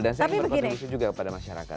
dan saya ingin berkontribusi juga kepada masyarakat